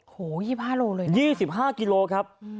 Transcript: ๒๕กิโลเลยนะครับ๒๕กิโลครับ